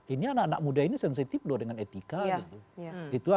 ini anak anak muda ini sensitif loh dengan etika gitu